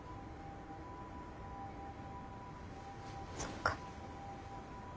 そっか。